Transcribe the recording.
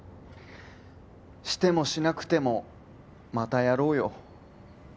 してもしなくてもまたやろうよ。